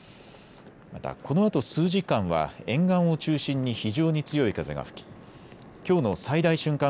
また、このあと数時間は沿岸を中心に非常に強い風が吹ききょうの最大瞬間